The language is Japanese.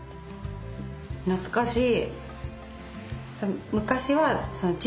懐かしい！